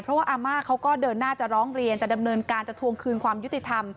เพราะว่าอาม่าเขาก็เดินหน้าจะร้องเรียนจะดำเนินการจะทวงคืนความยุติธรรม